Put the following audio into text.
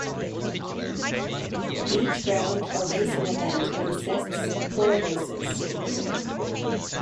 Each round or racing event consists of four races.